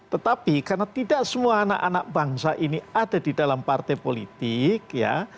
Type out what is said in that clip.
tetapi karena tidak semua anak anak bangsa ini ada di dalam partai politik ya